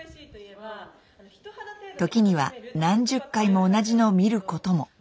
時には何十回も同じのを見ることも。